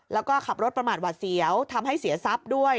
แล้วก็ขับรถประมาทหวัดเสียวทำให้เสียทรัพย์ด้วย